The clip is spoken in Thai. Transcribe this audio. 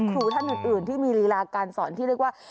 ครูท่านอื่นที่มีลีลาการสอนที่เรียกว่า